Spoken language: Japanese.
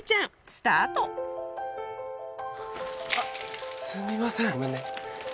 スタートあっすみませんごめんね